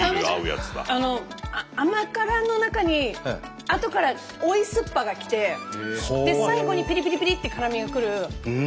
甘辛の中にあとから追いすっぱが来てで最後にピリピリピリって辛みが来る。